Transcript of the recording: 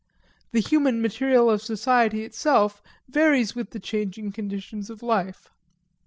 The human material of society itself varies with the changing conditions of life.